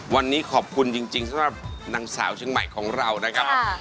วันนี้ขอบคุณจริงสำหรับนางสาวเชียงใหม่ของเรานะครับ